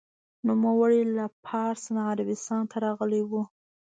نوموړی له پارس نه عربستان ته راغلی و.